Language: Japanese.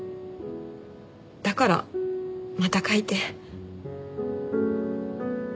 だからまた書いて。